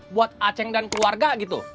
buat aceh dan keluarga gitu